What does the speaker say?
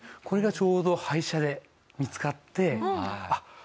これがちょうど廃車で見つかってあっ